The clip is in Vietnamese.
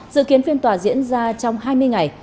dự kiến phiên tòa diễn ra trong hai mươi ngày